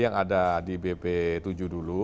yang ada di bp tujuh dulu